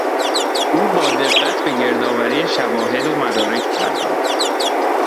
او با دقت به گردآوری شواهد و مدارک پرداخت.